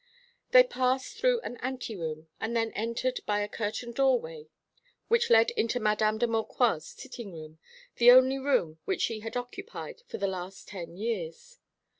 They passed through an anteroom, and then entered by a curtained doorway which led into Mdme. de Maucroix's sitting room, the only room which she had occupied for the last ten years.